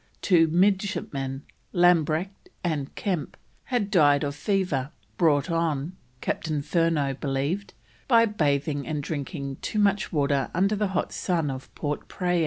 Two midshipman, Lambrecht and Kemp, had died of fever, brought on, Captain Furneaux believed, by bathing and drinking too much water under the hot sun of Port Praya.